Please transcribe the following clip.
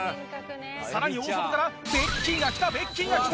さらに大外からベッキーが来たベッキーが来た！